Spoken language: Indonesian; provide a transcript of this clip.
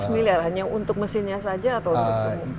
lima ratus miliar hanya untuk mesinnya saja atau untuk